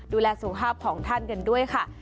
ดูแลสุขภาพของท่านกันด้วยค่ะ